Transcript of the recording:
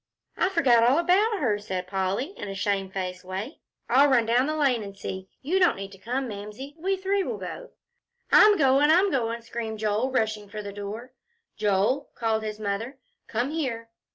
"I forgot all about her," said Polly, in a shamefaced way. "I'll run down the lane and see. You don't need to come, Mamsie. We three will go." "I'm goin'. I'm goin'," screamed Joel, rushing for the door. "Joel," called his mother, "come here."